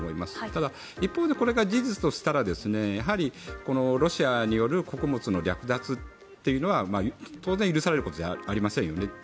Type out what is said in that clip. ただ一方で、これが事実としたらやはりロシアによる穀物の略奪というのは当然、許されることではありませんよね。